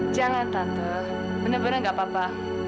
jangan tante bener bener gak apa apa